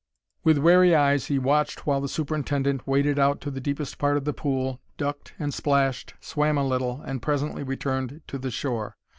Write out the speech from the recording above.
With wary eyes he watched while the superintendent waded out to the deepest part of the pool, ducked and splashed, swam a little, and presently returned to the shore.